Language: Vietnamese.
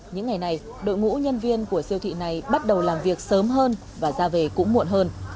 những ngày này đội ngũ nhân viên của siêu thị này bắt đầu làm việc sớm hơn và ra về cũng muộn hơn